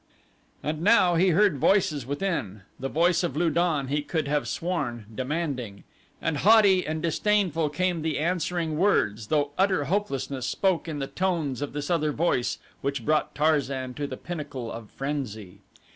And now he heard voices within the voice of Lu don he could have sworn, demanding. And haughty and disdainful came the answering words though utter hopelessness spoke in the tones of this other voice which brought Tarzan to the pinnacle of frenzy.